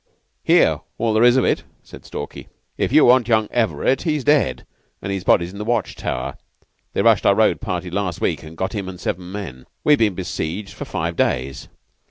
"'Here all there is of it,' said Stalky. 'If you want young Everett, he's dead, and his body's in the watch tower. They rushed our road party last week, and got him and seven men. We've been besieged for five days.